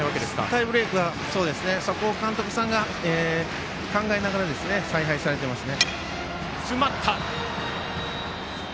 タイブレークはそこを監督さんが考えながら采配されていますね。